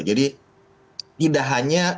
jadi tidak hanya